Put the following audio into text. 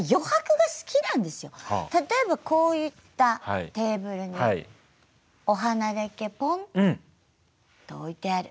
例えばこういったテーブルにお花だけポンと置いてある。